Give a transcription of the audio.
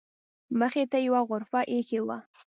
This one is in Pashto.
مخې ته یې یوه غرفه ایښې وه.